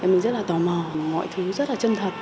mình rất là tò mò mọi thứ rất là chân thật